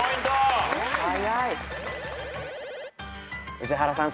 宇治原さん